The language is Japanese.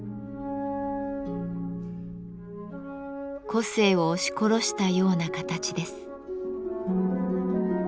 個性を押し殺したような形です。